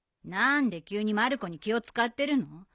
何で急にまる子に気を使ってるの？